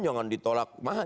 jangan ditolak mahal